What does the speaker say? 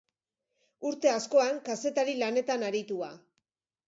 Urte askoan kazetari lanetan aritua.